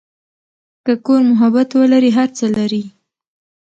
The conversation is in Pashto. که کور محبت ولري، هر څه لري.